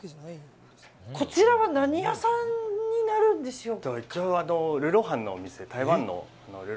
こちらは何屋さんになるんでしょうか。